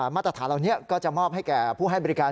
มาตรฐานเหล่านี้ก็จะมอบให้แก่ผู้ให้บริการ